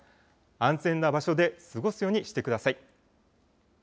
安全な場所で過ごすようにしてください。